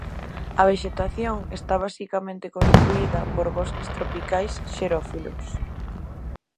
A vexetación está basicamente constituída por bosques tropicais xerófilos.